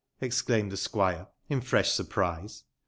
ezclaimed tbe squire, in fresb surprise.